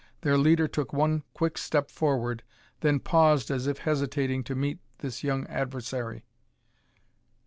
Their leader took one quick step forward, then paused as if hesitating to meet this young adversary.